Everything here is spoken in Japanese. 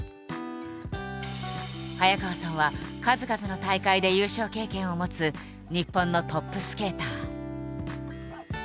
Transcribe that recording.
早川さんは数々の大会で優勝経験を持つ日本のトップスケーター。